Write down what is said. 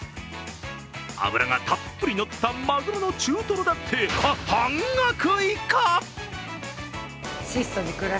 脂がたっぷりのったマグロの中トロだって半額以下。